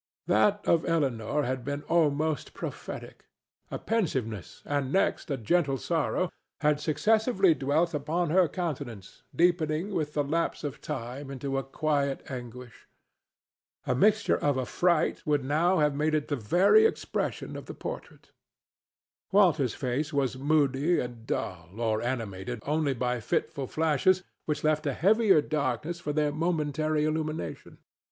That of Elinor had been almost prophetic. A pensiveness, and next a gentle sorrow, had successively dwelt upon her countenance, deepening with the lapse of time into a quiet anguish. A mixture of affright would now have made it the very expression of the portrait. Walter's face was moody and dull or animated only by fitful flashes which left a heavier darkness for their momentary illumination.